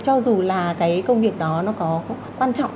cho dù là cái công việc đó nó có quan trọng